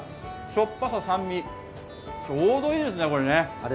しょっぱさ、酸味、ちょうどいいですね、これ。